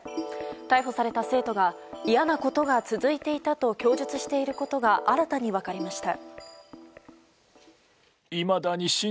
逮捕された生徒が嫌なことが続いていたと供述していることが新たに分かりました。